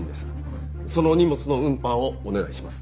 その荷物の運搬をお願いします。